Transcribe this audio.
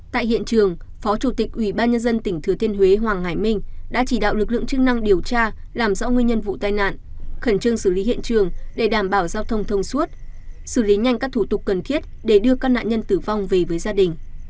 tại hiện trường phó chủ tịch ủy ban nhân dân tỉnh thừa thiên huế hoàng hải minh đã chỉ đạo lực lượng chức năng điều tra làm rõ nguyên nhân vụ tai nạn khẩn trương xử lý hiện trường để đảm bảo giao thông thông suốt xử lý nhanh các thủ tục cần thiết để đưa các nạn nhân tử vong về với gia đình